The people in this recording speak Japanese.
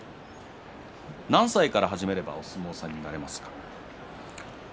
何歳から始めればお相撲さんになれますか？